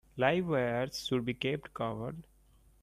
Live wires should be kept covered.